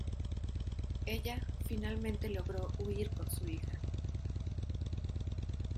Ella finalmente logró huir con su hija.